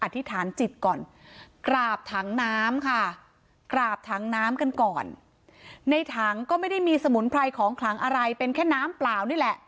ธิษฐานจิตก่อนกราบถังน้ำค่ะกราบถังน้ำกันก่อนในถังก็ไม่ได้มีสมุนไพรของขลังอะไรเป็นแค่น้ำเปล่านี่แหละ